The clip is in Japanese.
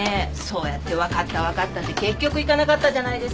そうやって「分かった分かった」って結局行かなかったじゃないですか。